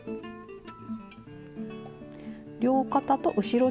両肩と後ろ